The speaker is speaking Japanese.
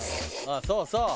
「ああそうそう！」